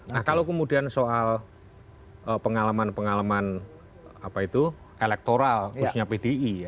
nah kalau kemudian soal pengalaman pengalaman apa itu elektoral khususnya pdi ya